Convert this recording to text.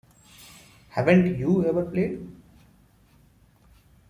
Haven't you ever played?